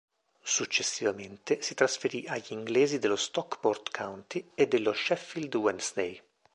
Successivamente si trasferì agli inglesi dello Stockport County e dello Sheffield Wednesday.